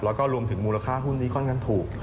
แล้วก็รวมถึงมูลค่าหุ้นที่ค่อนข้างถูก